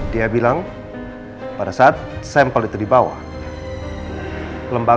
dia bilang pada saat sampel ini dikasih sama mama dia bilang